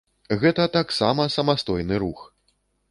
Гэта таксама самастойны рух!